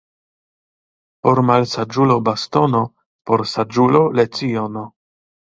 Por malsaĝulo bastono — por saĝulo leciono.